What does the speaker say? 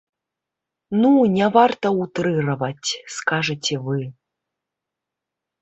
Ну, не варта утрыраваць, скажаце вы.